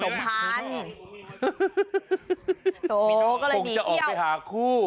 โอ้ก็เลยหนีเที่ยวคงจะออกไปหาคู่